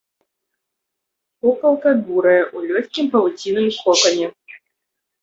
Кукалка бурая, у лёгкім павуцінным кокане.